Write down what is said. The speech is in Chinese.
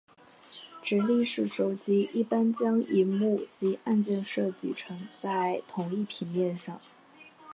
直立式手机一般将萤幕及按键设计成在同一平面上。